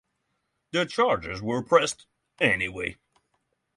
The charges were pressed anyway.